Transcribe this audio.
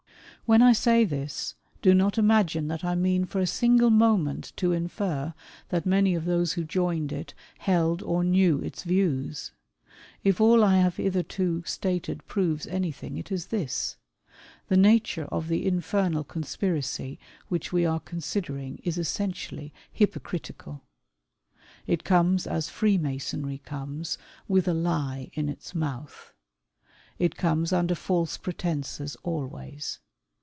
When I say this, do not imagine that I mean for a single moment to infer, that many of those who joined it, held or knew its views. If all I have hitherto stated proves anything, it is this : The nature of the infernal conspiracy which we are considering is essentially hypocritical. It comes as Freemasonry comes, with a lie in its mouth. It comes under false pretences always.